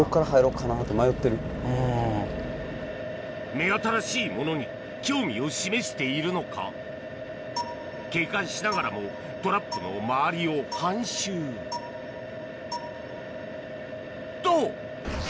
目新しいものに興味を示しているのか警戒しながらもトラップの周りを半周と！